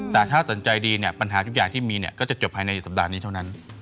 แต่ถ้าสนใจดีเนี่ยปัญหาทุกอย่างที่มีเนี่ยก็จะจบภายในสัปดาห์นี้เท่านั้น